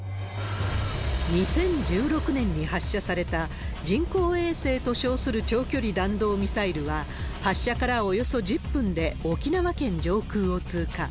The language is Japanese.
２０１６年に発射された人工衛星と称する長距離弾道ミサイルは、発射からおよそ１０分で沖縄県上空を通過。